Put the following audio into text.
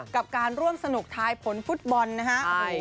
กับการร่วมสนุกทายผลฟุตบอลนะฮะ